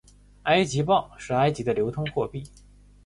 埃及镑是埃及的流通货币。